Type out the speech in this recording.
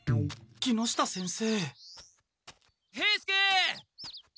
木下先生？